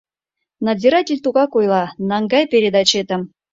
Надзиратель тугак ойла: — Наҥгай передачетым!